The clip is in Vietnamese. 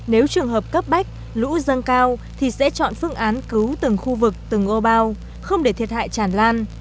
nếu trường hợp cấp bách lũ dâng cao thì sẽ chọn phương án cứu từng khu vực từng ô bao không để thiệt hại chản lan